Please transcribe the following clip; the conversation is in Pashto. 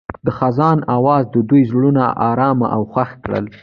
د خزان اواز د دوی زړونه ارامه او خوښ کړل.